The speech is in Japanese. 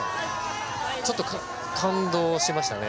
ちょっと感動しましたね。